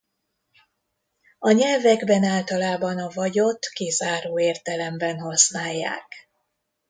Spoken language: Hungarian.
A nyelvekben általában a vagyot kizáró értelemben használják.